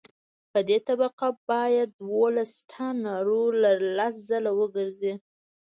په دې طبقه باید دولس ټنه رولر لس ځله وګرځي